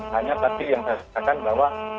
hanya tadi yang saya katakan bahwa